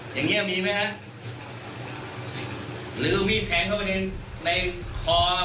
อย่างเงี้มีไหมฮะหรือเอามีดแทงเข้าไปในในคอ